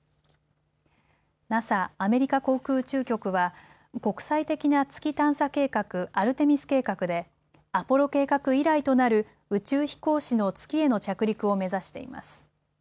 ＮＡＳＡ・アメリカ航空宇宙局は国際的な月探査計画、アルテミス計画でアポロ計画以来となる宇宙飛行士の月への着陸を目指しています。